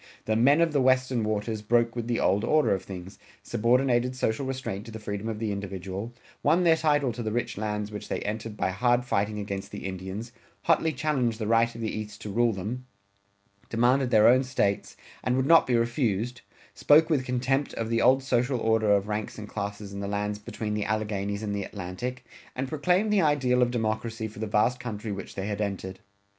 The "men of the Western Waters" broke with the old order of things, subordinated social restraint to the freedom of the individual, won their title to the rich lands which they entered by hard fighting against the Indians, hotly challenged the right of the East to rule them, demanded their own States, and would not be refused, spoke with contempt of the old social order of ranks and classes in the lands between the Alleghanies and the Atlantic, and proclaimed the ideal of democracy for the vast country which they had entered.